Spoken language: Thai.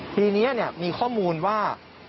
ทีนี้เนี่ยมีข้อมูลว่า